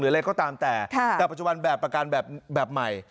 อะไรก็ตามแต่แต่ปัจจุบันแบบประกันแบบใหม่